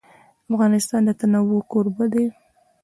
افغانستان د تنوع کوربه دی.